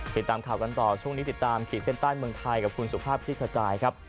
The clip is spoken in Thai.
ติดตามข่าวกันต่อช่วงนี้ติดตามขีดเส้นใต้เมืองไทยกับคุณสุภาพคลิกขจายครับ